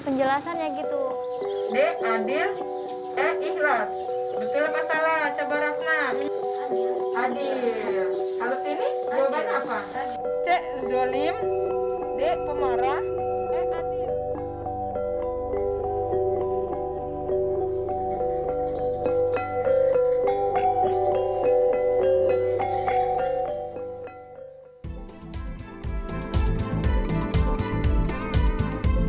penjelasannya gitu deh adil eh ihlas betul apa salah coba raffa adil haluk ini jawaban